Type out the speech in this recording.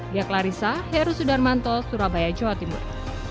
diak larissa heru sudarmanto surabaya jawa timur